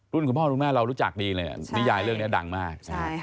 คุณพ่อคุณแม่เรารู้จักดีเลยนิยายเรื่องนี้ดังมาก